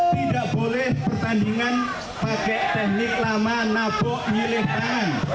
tidak boleh pertandingan pakai teknik lama nabok milih tangan